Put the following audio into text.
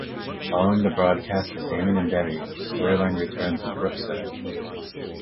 Following the broadcast of "Damon and Debbie", the storyline returned to "Brookside".